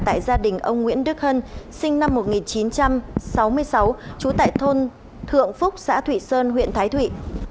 tại gia đình ông nguyễn đức hân sinh năm một nghìn chín trăm sáu mươi sáu trú tại thôn thượng phúc xã thụy sơn huyện thái thụy